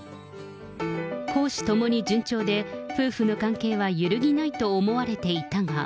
公私ともに順調で、夫婦の関係はゆるぎないと思われていたが。